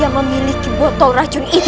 yang memiliki botol racun ini